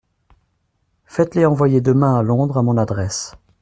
Faites-les envoyer demain à Londres, à mon adresse.